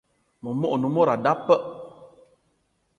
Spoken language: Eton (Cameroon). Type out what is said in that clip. Memogo ane mod a da peuk.